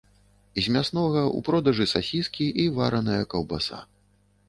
З мяснога ў продажы сасіскі і вараная каўбаса.